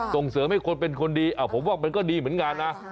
ส่งเสริมให้คนเป็นคนดีผมว่ามันก็ดีเหมือนกันนะ